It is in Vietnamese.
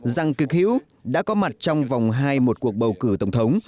rằng cực hữu đã có mặt trong vòng hai một cuộc bầu cử tổng thống